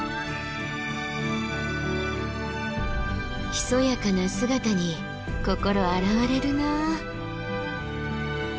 ひそやかな姿に心洗われるなあ。